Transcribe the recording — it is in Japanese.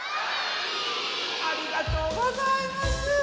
ありがとうございます！